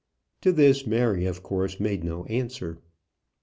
To this Mary, of course, made no answer.